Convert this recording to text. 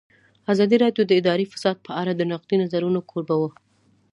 ازادي راډیو د اداري فساد په اړه د نقدي نظرونو کوربه وه.